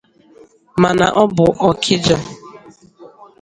mana ọ bụ Okija